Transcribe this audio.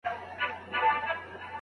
آیا کوتره تر باز ارامه ده؟